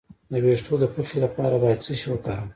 د ویښتو د پخې لپاره باید څه شی وکاروم؟